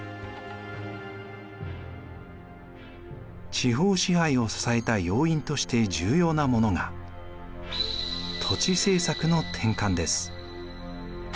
地方支配を支えた要因として重要なものが土地政策の転換です。